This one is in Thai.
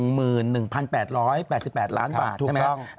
๑หมื่น๑๘๘๘ล้านบาทใช่ไหม